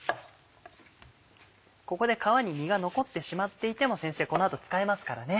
ここで皮に実が残ってしまっていても先生この後使えますからね。